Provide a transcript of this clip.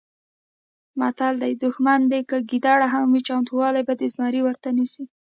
متل دی: دوښمن دې که ګیدړ هم وي چمتوالی به د زمري ورته نیسې.